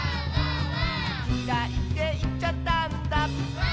「きらいっていっちゃったんだ」